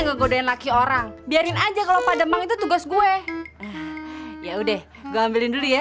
ngegodain laki orang biarin aja kalau pademang itu tugas gue ya udah gue ambilin dulu ya